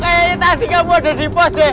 kayaknya tadi kamu ada di pos ya